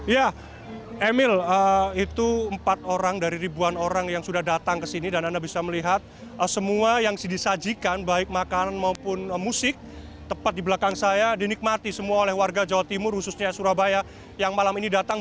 ya emil itu empat orang dari ribuan orang yang sudah datang ke sini dan anda bisa melihat semua yang disajikan baik makanan maupun musik tepat di belakang saya dinikmati semua oleh warga jawa timur khususnya surabaya yang malam ini datang